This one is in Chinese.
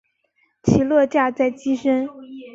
起落架在机身。